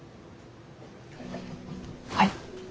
はい。